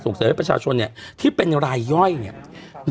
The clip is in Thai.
อืมอืมอืมอืมอืม